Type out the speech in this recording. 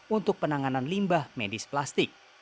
untuk penanganan limbah medis plastik